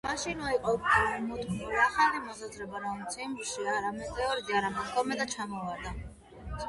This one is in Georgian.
მაშინვე იყო გამოთქმული ახალი მოსაზრება, რომ ციმბირში არა მეტეორიტი არამედ კომეტა ჩამოვარდა.